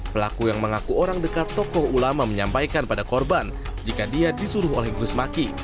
pelaku yang mengaku orang dekat tokoh ulama menyampaikan pada korban jika dia disuruh oleh gus maki